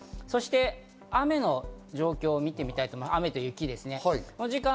そして雨の状況を見てみたいと思います。